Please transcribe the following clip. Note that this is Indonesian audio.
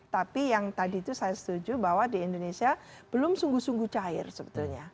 tapi yang tadi itu saya setuju bahwa di indonesia belum sungguh sungguh cair sebetulnya